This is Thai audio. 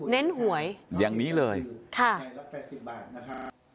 เน้นหวยค่ะแค่๘๐บาทนะคะ